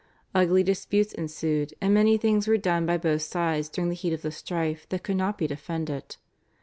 Ugly disputes ensued and many things were done by both sides during the heat of the strife that could not be defended.